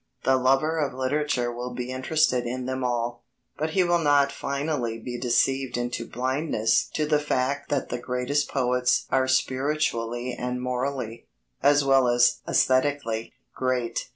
The lover of literature will be interested in them all, but he will not finally be deceived into blindness to the fact that the greatest poets are spiritually and morally, as well as aesthetically, great.